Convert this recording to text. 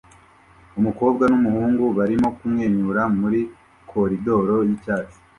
Umukobwa n'umuhungu barimo kumwenyura muri koridoro y'icyatsi